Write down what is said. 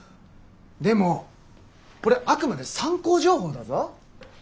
でもこれはあくまで参考情報だぞ？